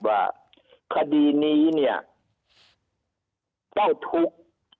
ว่าคดีนี้เจ้าทุกข์